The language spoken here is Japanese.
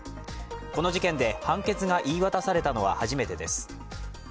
この事件で判決が言い渡されたのは初めてです。